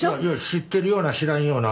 知ってるような知らんような。